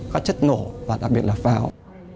các chất nổ và đặc biệt là pháo